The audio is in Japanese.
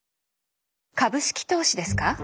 株式投資ですか？